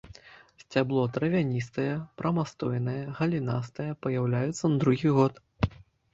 Сцябло травяністае, прамастойнае, галінастае, паяўляецца на другі год.